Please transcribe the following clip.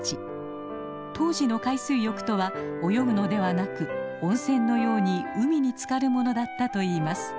当時の海水浴とは泳ぐのではなく温泉のように海につかるものだったといいます。